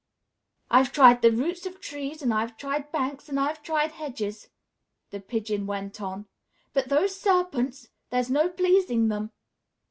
"I've tried the roots of trees, and I've tried banks, and I've tried hedges," the Pigeon went on, "but those serpents! There's no pleasing them!"